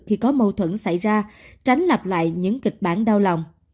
khi có mâu thuẫn xảy ra tránh lặp lại những kịch bản đau lòng